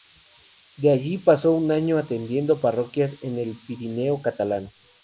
De allí pasó un año atendiendo parroquias en el Pirineo catalán.